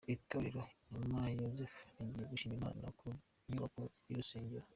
Itorero Inuma Zayezu rigiye gushima Imana ku bw’inyubako y’urusengero